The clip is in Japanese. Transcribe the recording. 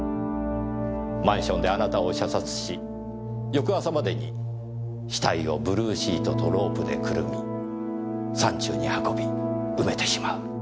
マンションであなたを射殺し翌朝までに死体をブルーシートとロープでくるみ山中に運び埋めてしまう。